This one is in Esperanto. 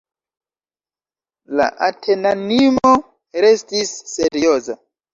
La atenanino restis serioza.